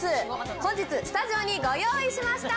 本日スタジオにご用意しました。